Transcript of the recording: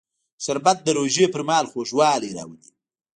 شربت د روژې پر مهال خوږوالی راولي